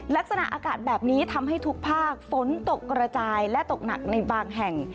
ลักษณะอากาศแบบนี้ทำให้ทุกภาคฝนตกกระจายและตกหนักในบางแห่ง